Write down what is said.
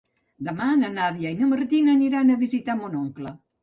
Demà na Nàdia i na Martina aniran a visitar mon oncle.